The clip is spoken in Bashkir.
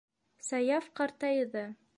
Саяф ҡартайҙы.